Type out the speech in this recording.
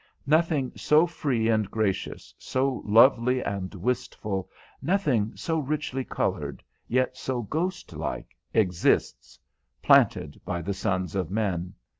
Nothing so free and gracious, so lovely and wistful, nothing so richly coloured, yet so ghostlike, exists, planted by the sons of men.